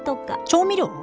調味料⁉